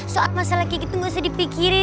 soal masalah kayak gitu gak usah dipikirin